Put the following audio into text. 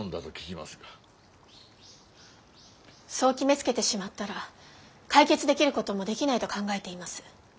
そう決めつけてしまったら解決できることもできないと考えています。